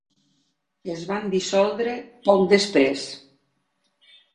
Es van dissoldre poc després.